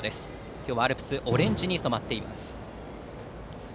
今日はアルプスオレンジに染まっています。